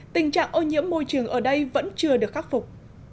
tình trạng ô nhiễm môi trường ở đây vẫn chưa được khắc phục